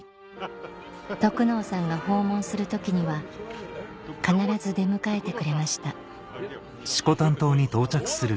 得能さんが訪問する時には必ず出迎えてくれました得能さん！